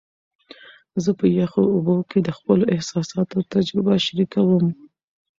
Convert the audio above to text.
زه په یخو اوبو کې د خپلو احساساتو تجربه شریکوم.